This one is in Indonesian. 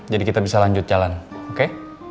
jadi kita bisa lanjut jalan oke